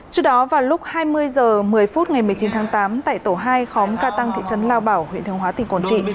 trước đó vào lúc hai mươi h một mươi phút ngày một mươi chín tháng tám tại tổ hai khóm ca tăng thị trấn lao bảo huyện thường hóa tỉnh quảng trị